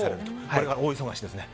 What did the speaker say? これから大忙しですね。